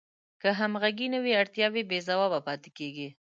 که همغږي نه وي اړتیاوې بې ځوابه پاتې کیږي.